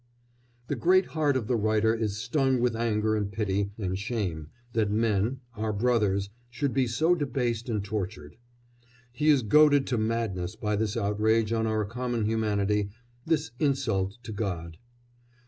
The great heart of the writer is stung with anger and pity and shame that men our brothers should be so debased and tortured. He is goaded to madness by this outrage on our common humanity, this insult to God.